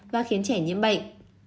và khiến trẻ nhiễm bệnh